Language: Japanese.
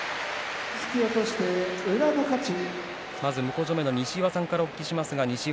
まず、向正面の西岩さんからお聞きします。